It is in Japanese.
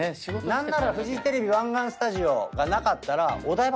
何ならフジテレビ湾岸スタジオがなかったらお台場来ますか？